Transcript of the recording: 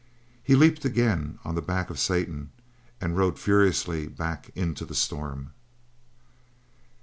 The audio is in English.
He leaped again on the back of Satan, and rode furiously back into the storm.